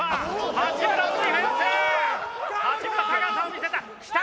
八村速さを見せた！